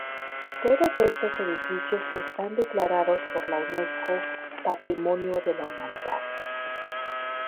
Todos estos edificios están declarados por la Unesco Patrimonio de la Humanidad.